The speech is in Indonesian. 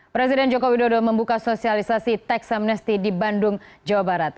presiden joko widodo membuka sosialisasi tax amnesty di bandung jawa barat